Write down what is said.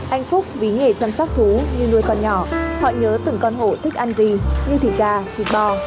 anh phúc vì nghề chăm sác thú như nuôi con nhỏ họ nhớ từng con hổ thích ăn gì như thịt gà thịt bò